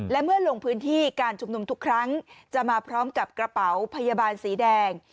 และเมื่อลงพื้นที่การชุมนุมทุกครั้งจะมาพร้อมกับกระเป๋าพยาบาลสีแดง